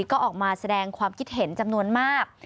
ก็ออกมาแสดงความคิดเห็นจำนวนมาก